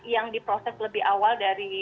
yang diproses lebih awal dari